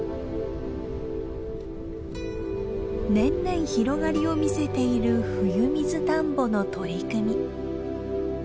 年々広がりを見せているふゆみずたんぼの取り組み。